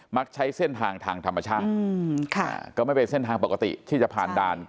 ใช้เส้นทางทางธรรมชาติก็ไม่เป็นเส้นทางปกติที่จะผ่านด่าน